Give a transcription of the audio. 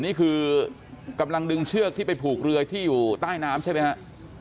นี่คือกำลังดึงเชือกที่ไปผูกเรือที่อยู่ใต้น้ำใช่ไหมครับ